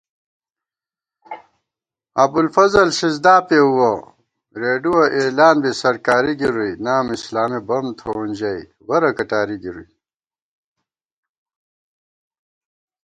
ابُوالفضل سِزدا پېؤوَہ رېڈُوَہ اېلان بی سَرکاری گِرُوئی * نام اسلامی بم تھووون ژَئی ورہ کٹاری گِروئی